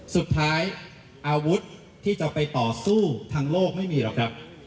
สุดท้ายอาวุธที่จะไปต่อสู้ทางโลกไม่มีหรอกครับ